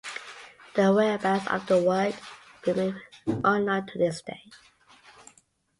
The whereabouts of the work remain unknown to this day.